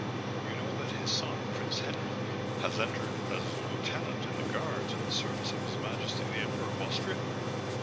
"You know that his son, Prince Henry, has entered as lieutenant in the guards in the service of his Majesty the Emperor of Austria?"